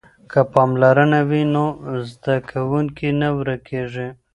که پاملرنه وي نو زده کوونکی نه ورکیږي.